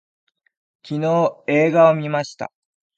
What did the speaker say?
昨日映画を見ました